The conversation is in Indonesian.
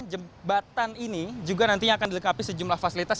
jembatan ini juga nantinya akan dilengkapi sejumlah fasilitas